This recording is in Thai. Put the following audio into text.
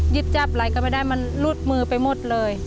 หยิบจับอะไรก็ไม่ได้มันหลุดมือไปหมดเลย